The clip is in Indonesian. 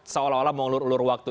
seolah olah mengelur elur waktu